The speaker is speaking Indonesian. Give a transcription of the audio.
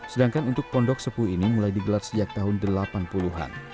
sedangkan untuk pondok sepuh ini mulai digelar sejak tahun delapan puluh an